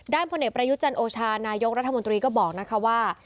ด้านพนิตประยุจันโอชานายกรัฐมนตรีก็บอกว่า